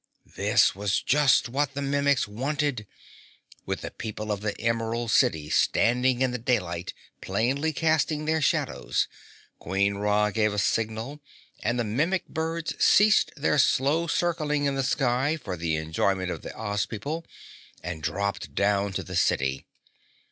This was just what the Mimics wanted. With the people of the Emerald City standing in the daylight, plainly casting their shadows, Queen Ra gave a signal and the Mimic birds ceased their slow circling in the sky for the enjoyment of the Oz people and dropped down to the city.